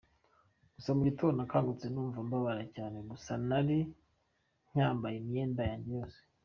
Gusa mu gitondo nakangutse numva mbabara cyane gusa nari ncyambaye imyenda yanjye yose.